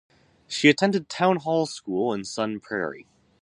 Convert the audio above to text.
She attended Town Hall School in Sun Prairie.